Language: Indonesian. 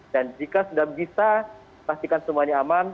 dan jika sudah bisa pastikan semuanya aman